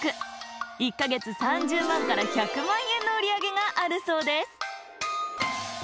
１かげつ３０万から１００万円の売り上げがあるそうです。